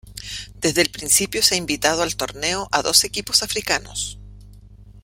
Desde el principio se ha invitado al torneo a dos equipos africanos.